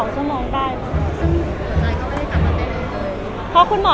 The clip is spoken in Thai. สวัสดีค่ะ